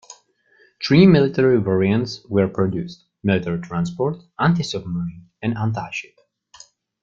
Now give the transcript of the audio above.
Three military variants were produced: military transport, anti-submarine and anti-ship.